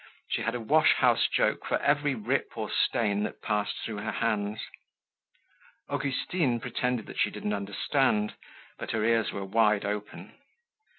She had a wash house joke for every rip or stain that passed through her hands. Augustine pretended that she didn't understand, but her ears were wide open.